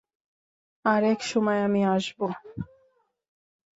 আর-এক সময় আমি আসব।